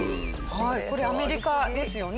はいこれアメリカですよね。